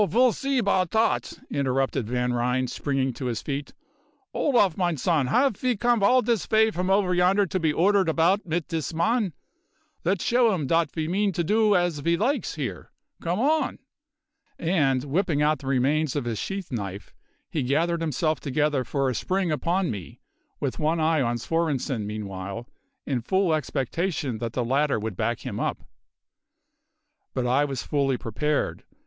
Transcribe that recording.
ve'll see about dot," interrupted Van Ryn, springing to his feet. "Olaf, mine zon, haf ve comed all dis vay from over yonder to be ordered about mit dis man? Let's show 'im dot ve means to do as ve likes here. Come on!" And, whipping out the remains of his sheath knife, he gathered himself together for a spring upon me, with one eye on Svorenssen meanwhile, in full expectation that the latter would back him up. But I was fully prepared.